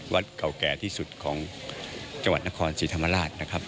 เก่าแก่ที่สุดของจังหวัดนครศรีธรรมราชนะครับ